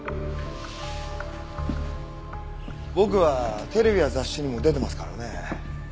僕はテレビや雑誌にも出てますからね。